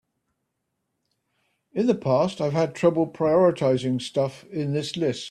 In the past I've had trouble prioritizing stuff in this list.